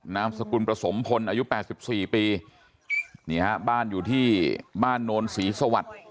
นามสกุลประสมพลอายุ๘๔ปีนี่ฮะบ้านอยู่ที่บ้านโนนศรีสวัสดิ์